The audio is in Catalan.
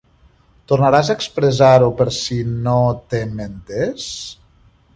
Tornaràs a expressar-ho per si no t'hem entés.